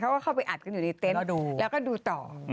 เข้าไปอัดกันอยู่ในเต็นต์แล้วก็ดูต่อ